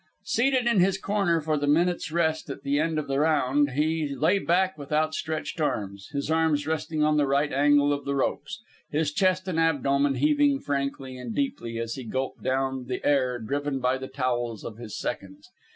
Seated in his corner for the minute's rest at the end of the round, he lay back with outstretched legs, his arms resting on the right angle of the ropes, his chest and abdomen heaving frankly and deeply as he gulped down the air driven by the towels of his seconds.